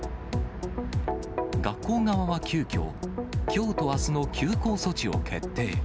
学校側は急きょ、きょうとあすの休校措置を決定。